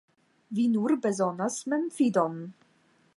Vi nur bezonas memfidon.